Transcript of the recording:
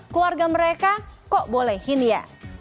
keluarga mereka kok bolehin ya